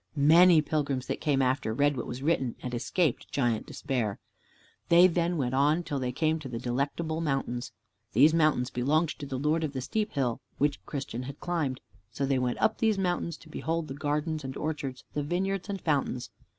Many pilgrims, that came after, read what was written and escaped Giant Despair. They then went on till they came to the Delectable Mountains. These mountains belonged to the Lord of the steep hill which Christian had climbed. So they went up these mountains to behold the gardens and orchards, the vineyards and fountains.